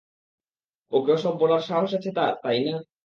ওকে ওসব বলার সাহস আছে তার, তাই না?